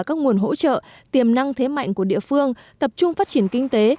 các nguồn hỗ trợ tiềm năng thế mạnh của địa phương tập trung phát triển kinh tế